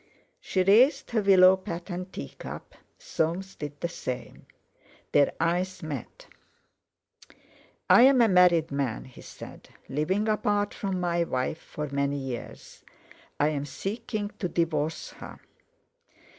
She raised her willow patterned tea cup; Soames did the same. Their eyes met. "I am a married man," he said, "living apart from my wife for many years. I am seeking to divorce her."